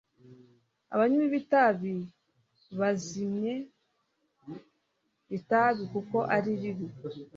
abanywi b’itabi bazimye itabi kuko ari ribi